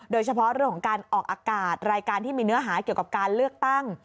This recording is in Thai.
โดยเฉพาะเรื่องของการออกอากาศรายการที่มีเนื้อหาเกี่ยวกับการเลือกตั้ง